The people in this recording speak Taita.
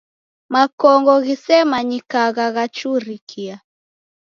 Makongo ghisemanyikagha ghachurikia